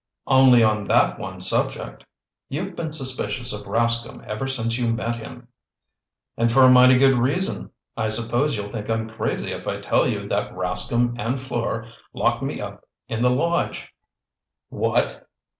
"Only on that one subject. You've been suspicious of Rascomb ever since you met him." "And for a mighty good reason. I suppose you'll think I'm crazy if I tell you that Rascomb and Fleur locked me up in the lodge." "What?"